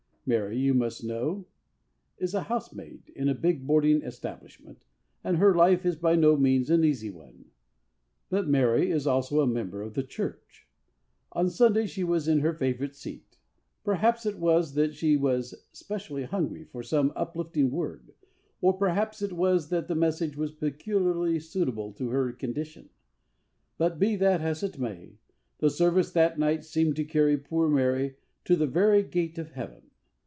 Mary, you must know, is a housemaid in a big boarding establishment, and her life is by no means an easy one. But Mary is also a member of the Church. On Sunday she was in her favourite seat. Perhaps it was that she was specially hungry for some uplifting word, or perhaps it was that the message was peculiarly suitable to her condition; but, be that as it may, the service that night seemed to carry poor Mary to the very gate of heaven.